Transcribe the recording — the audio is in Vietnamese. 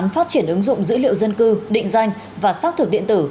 phát triển ứng dụng dữ liệu dân cư định danh và xác thực điện tử